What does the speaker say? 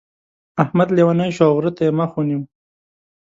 احمد لېونی شو او غره ته يې مخ ونيو.